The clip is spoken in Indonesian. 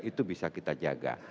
itu bisa kita jaga